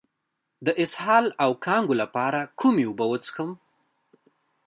د اسهال او کانګو لپاره کومې اوبه وڅښم؟